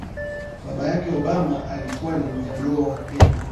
Baba yake Obama alikuwa ni Mjaluo wa Kenya